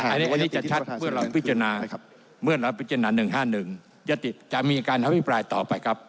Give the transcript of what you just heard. อันนี้จะชัดเมื่อเราพิจารณา๑๕๑จะมีการอภิปรายต่อไปครับ